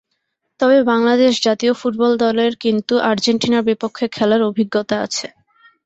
তবে বাংলাদেশ জাতীয় ফুটবল দলের কিন্তু আর্জেন্টিনার বিপক্ষে খেলার অভিজ্ঞতা আছে।